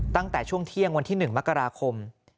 ตั้งแต่ช่วงเที่ยงวันที่๑มกราคม